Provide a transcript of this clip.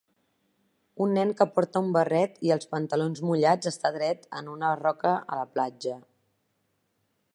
Un nen que porta un barret i els pantalons mullats està dret en una roca a la platja